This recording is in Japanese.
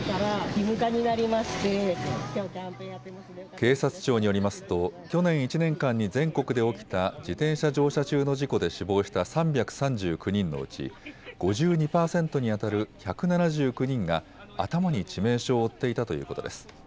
警察庁によりますと去年１年間に全国で起きた自転車乗車中の事故で死亡した３３９人のうち５２％にあたる１７９人が頭に致命傷を負っていたということです。